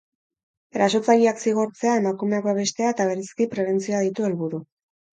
Erasotzaileak zigortzea, emakumeak babestea eta bereiziki prebentzioa ditu helburu.